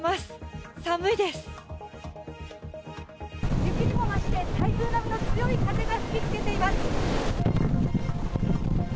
雪にもまして、台風並みの強い風が吹きつけています。